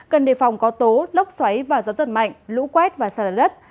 gần đề phòng có tố lốc xoáy và gió giật mạnh lũ quét và xả lở đất